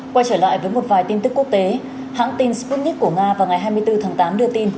quay trở lại với một vài tin tức quốc tế hãng tin sputnik của nga vào ngày hai mươi bốn tháng tám đưa tin